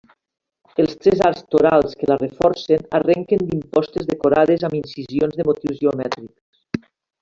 Els tres arcs torals que la reforcen arrenquen d'impostes decorades amb incisions de motius geomètrics.